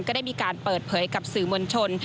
ก็ได้มีการเปิดเผยกับสื่อมวลชน